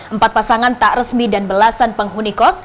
empat pasangan tak resmi dan belasan penghuni kos